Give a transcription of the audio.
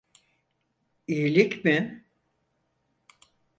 İyilik mi?